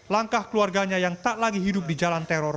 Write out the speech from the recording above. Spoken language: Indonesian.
jika saya akan sampaikan lebih jauh asi akan terserah